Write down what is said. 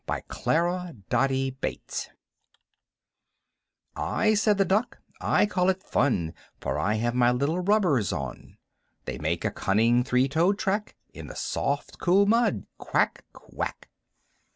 Clara Doty Bates I/' said the duck, ''I call it fun, For I have my little rubbers on; They make a cunning three toed track ^ In the soft, cool mud. Quack! Quack!"